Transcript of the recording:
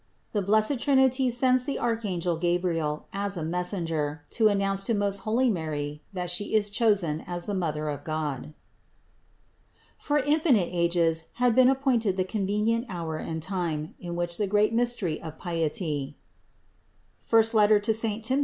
THE BLESSED TRINITY SENDS THE ARCHANGEL GABRIEL AS A MESSENGER TO ANNOUNCE TO MOST HOLY MARY THAT SHE IS CHOSEN AS THE MOTHER OF GOD. 109. For infinite ages had been appointed the con venient hour and time, in which the great mystery of piety (I Tim.